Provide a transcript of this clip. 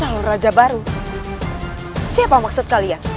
namun raja baru siapa maksud kalian